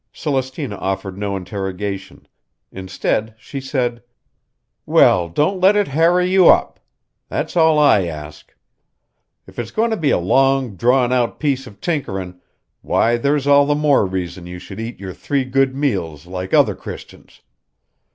Celestina offered no interrogation; instead she said, "Well, don't let it harrow you up; that's all I ask. If it's goin' to be a long drawn out piece of tinkerin', why there's all the more reason you should eat your three good meals like other Christians.